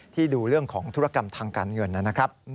ดูเรื่องของธุรกรรมทางการเงินนะครับ